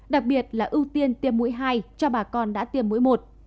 đặc biệt là ưu tiên tiêm mũi hai cho bà con đã tiêm mũi một